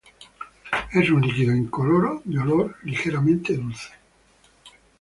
Es un líquido incoloro de olor ligeramente dulce.